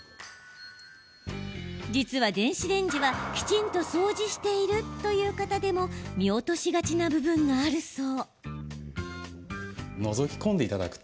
実は、電子レンジはきちんと掃除しているという方でも見落としがちな部分があるそう。